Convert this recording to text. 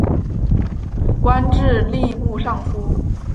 官至吏部尚书。